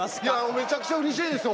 めちゃくちゃ嬉しいですよ